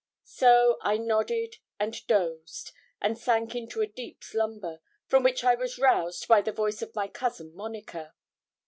So I nodded and dozed, and sank into a deep slumber, from which I was roused by the voice of my cousin Monica.